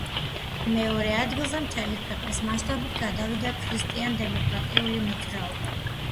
მეორე ადგილზე მთელი ქვეყნის მასშტაბით გავიდა ქრისტიან-დემოკრატიული მოძრაობა.